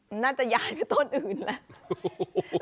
มันน่าจะย้ายไปต้นอื่นแล้ว